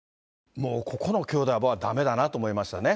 もうここの兄弟はだめだなと思いましたね。